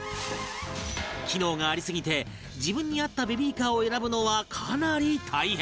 機能がありすぎて自分に合ったベビーカーを選ぶのはかなり大変